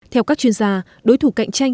theo các chuyên gia đối thủ cạnh tranh